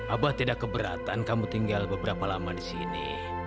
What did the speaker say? abah tidak keberatan kamu tinggal beberapa lama di sini